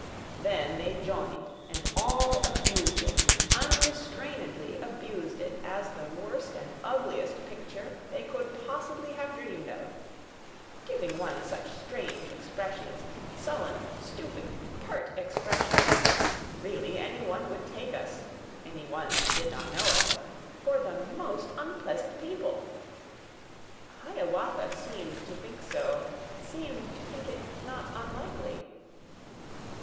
Then they joined and all abused it, Unrestrainedly abused it, As the worst and ugliest picture They could possibly have dreamed of. 'Giving one such strange expressions— Sullen, stupid, pert expressions. Really any one would take us (Any one that did not know us) For the most unpleasant people!' (Hiawatha seemed to think so, Seemed to think it not unlikely).